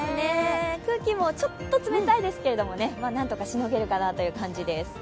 空気もちょっと冷たいですけど、なんとかしのげるかなという感じです。